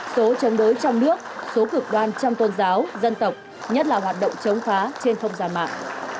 số chống đối trong nước số cực đoan trong tôn giáo dân tộc nhất là hoạt động chống phá trên không gian mạng